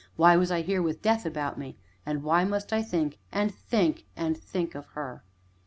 Why was I here, with death about me and why must I think, and think, and think of Her?